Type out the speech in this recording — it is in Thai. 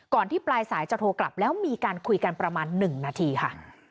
ที่ปลายสายจะโทรกลับแล้วมีการคุยกันประมาณ๑นาทีค่ะ